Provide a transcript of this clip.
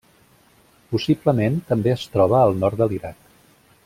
Possiblement també es troba al nord de l'Iraq.